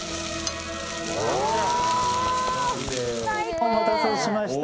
お待たせしました。